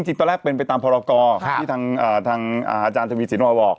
ตอนแรกเป็นไปตามภารกอที่ทางอาจารย์ทวีสินวะบอก